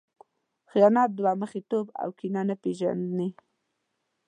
خیانت، دوه مخی توب او کینه نه پېژني.